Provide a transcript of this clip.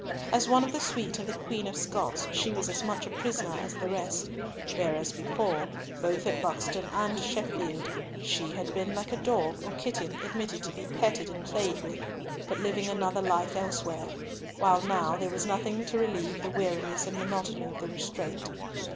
As one of the suite of the Queen of Scots, she was as much a prisoner as the rest; whereas before, both at Buxton and Sheffield, she had been like a dog or kitten admitted to be petted and played with, but living another life elsewhere, while now there was nothing to relieve the weariness and monotony of the restraint.